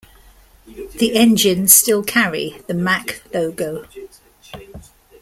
The engines still carry the MaK logo.